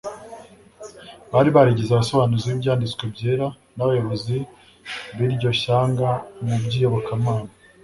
Bari barigize abasobanuzi b'Ibyanditswe byera n'abayobozi b'iryo shyanga mu by'iyobokamana,